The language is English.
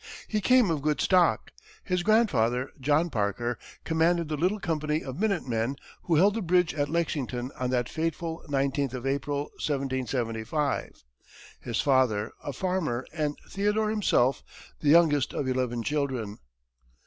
He came of good stock. His grandfather, John Parker, commanded the little company of minute men who held the bridge at Lexington on that fateful nineteenth of April, 1775; his father a farmer, and Theodore himself the youngest of eleven children.